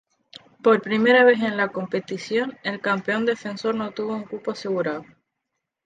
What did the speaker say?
Por primera vez en la competición, el campeón defensor no tuvo un cupo asegurado.